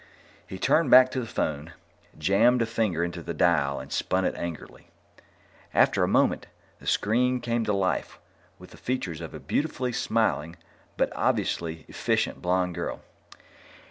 He turned back to the phone, jammed a finger into the dial and spun it angrily. After a moment, the screen came to life with the features of a beautifully smiling but obviously efficient blond girl.